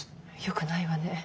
よくないわね。